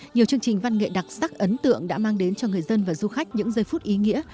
nhiều chương trình văn nghệ đặc sắc ấn tượng đã mang đến cho người dân và du khách những giây phút ý nghĩa